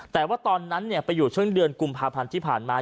แต่ว่าตอนนั้นไปอยู่ช่วงเดือนกุมภาพันธ์ที่ผ่านมา